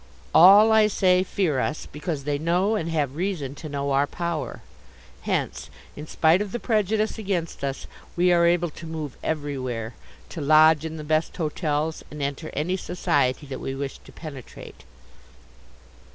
All, I say, fear us. Because they know and have reason to know our power. Hence, in spite of the prejudice against us, we are able to move everywhere, to lodge in the best hotels, and enter any society that we wish to penetrate.